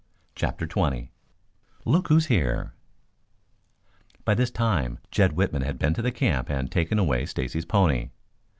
CHAPTER XX LOOK WHO'S HERE By this time Jed Whitman had been to the camp and taken away Stacy's pony.